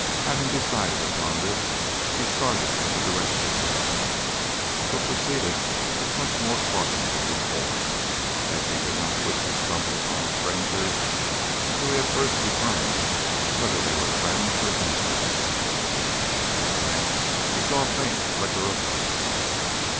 Having decided upon this he started in the direction named, but proceeded with much more caution than before as he did not wish to stumble upon strangers until he had first determined whether they were friends or enemies. At last he saw a faint flicker of light.